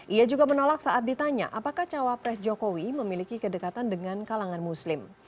ia juga menolak saat ditanya apakah cawapres jokowi memiliki kedekatan dengan kalangan muslim